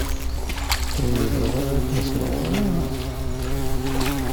Twejdeḍ ad d-taseḍ ɣuṛ-i?